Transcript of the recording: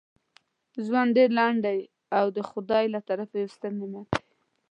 ژوند ډیر لنډ دی او دا دخدای له طرفه یو ستر نعمت دی.